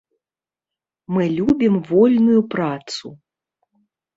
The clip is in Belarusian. Мы любім вольную працу.